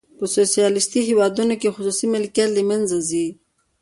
په سوسیالیستي هیوادونو کې خصوصي ملکیت له منځه ځي.